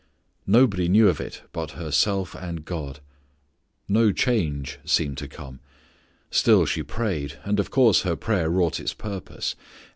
Nobody knew of it but herself and God. No change seemed to come. Still she prayed. And of course her prayer wrought its purpose.